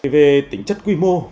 về tính chất quy mô